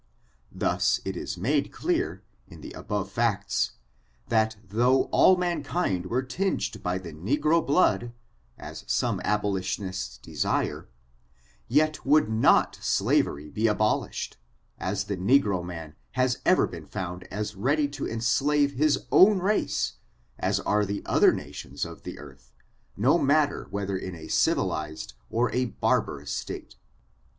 Thus it is made clear, in the above facts, that though all mankind were tinged by the negro blood, as some abolitionists desire, yet would not slavery be abolish ed, as the negro man has ever been found as ready to enslave his ow^n race as are the other nations of the earth, no matter whether in a civilized or a bar barous state.